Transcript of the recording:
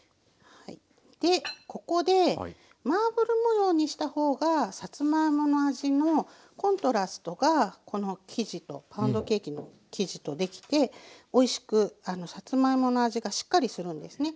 ここでマーブル模様にした方がさつまいもの味のコントラストがこの生地とパウンドケーキの生地とできておいしくさつまいもの味がしっかりするんですね。